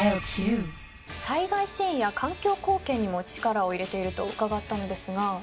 災害支援や環境貢献にも力を入れていると伺ったのですが。